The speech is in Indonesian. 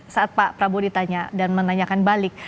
saat pak prabowo ditanya dan menanyakan balik